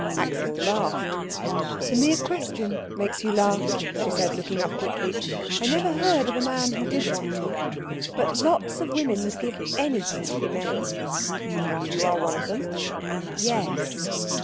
Axel laughed. "The mere question makes you laugh," she said, looking up quickly. "I never heard of a man who did want to. But lots of women would give anything to be men." "And you are one of them?" "Yes."